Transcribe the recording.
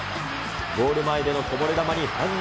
ゴール前でのこぼれ球に反応。